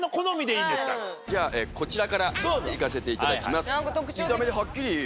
じゃこちらからいかせていただきます。